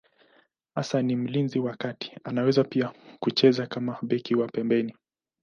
Hasa ni mlinzi wa kati, anaweza pia kucheza kama beki wa pembeni.